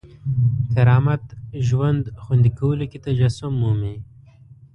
کرامت ژوند خوندي کولو کې تجسم مومي.